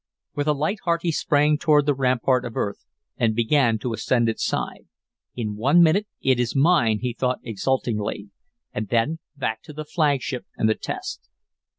With a light heart he sprang toward the rampart of earth and began to ascend its side. "In one minute it is mine," he thought exultingly, "and then back to the flagship and the test!"